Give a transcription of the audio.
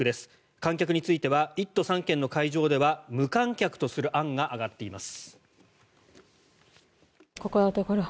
観客については１都３県の会場では無観客とする案が挙がっています。